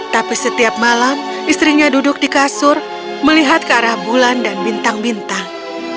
tapi setiap malam istrinya duduk di kasur melihat ke arah bulan dan bintang bintang